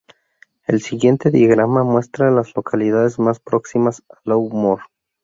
El siguiente diagrama muestra a las localidades más próximas a Low Moor.